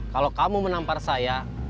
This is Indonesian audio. kalau kamu menampar saya